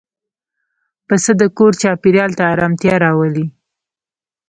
پسه د کور چاپېریال ته آرامتیا راولي.